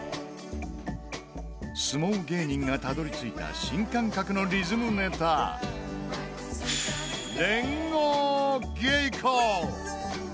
相撲芸人がたどり着いた新感覚のリズムネタ、連合稽古。